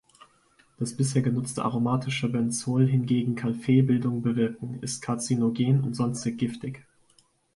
Das bisher genutzte aromatische Benzol hingegen kann Fehlbildungen bewirken, ist karzinogen und sonstig giftig.